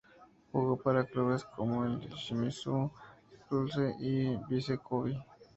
Jugó para clubes como el Shimizu S-Pulse y Vissel Kobe.